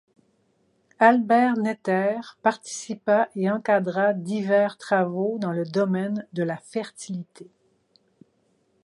Albert Netter participa et encadra divers travaux dans le domaine de la fertilité.